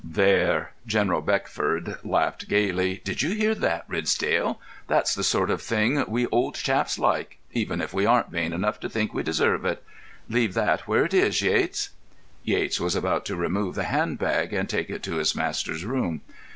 "There!" General Beckford laughed gaily. "Did you hear that, Ridsdale? That's the sort of thing we old chaps like—even if we aren't vain enough to think we deserve it. Leave that where it is, Yates." Yates was about to remove the hand bag and take it to his master's room.